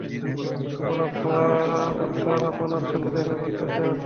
আমার স্যার আপনার সাথে দেখা করতে চান।